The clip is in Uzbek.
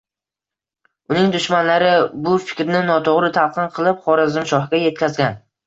Uning dushmanlari bu fikrni notoʻgʻri talqin qilib, Xorazmshohga yetkazgan